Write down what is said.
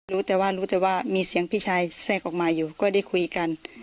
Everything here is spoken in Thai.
รู้แต่ว่ารู้แต่ว่ามีเสียงพี่ชายแทรกออกมาอยู่ก็ได้คุยกัน